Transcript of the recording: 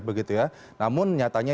begitu ya namun nyatanya